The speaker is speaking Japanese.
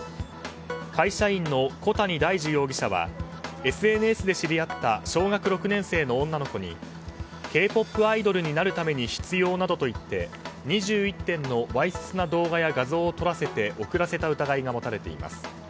会社員の小谷大樹容疑者はＳＮＳで知り合った小学６年生の女の子にＫ‐ＰＯＰアイドルになるために必要などと言って２１点のわいせつな動画や画像を撮らせて送らせた疑いが持たれています。